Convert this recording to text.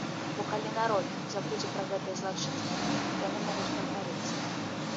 Бо калі народ забудзе пра гэтыя злачынствы, яны могуць паўтарыцца.